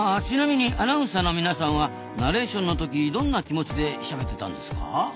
ちなみにアナウンサーの皆さんはナレーションのときどんな気持ちでしゃべってたんですか？